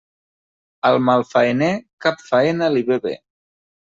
Al malfaener, cap faena li ve bé.